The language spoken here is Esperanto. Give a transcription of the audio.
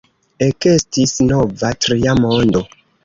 Ekestis nova, "tria mondo".